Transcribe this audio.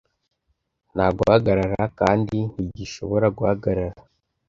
Nta guhagarara kandi ntigishobora guhagarara,